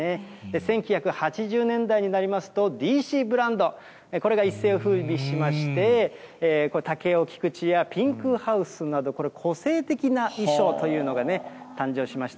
１９８０年代になりますと、ＤＣブランド、これが一世をふうびしまして、タケオキクチやピンクハウスなど、個性的な衣装というのがね、誕生しました。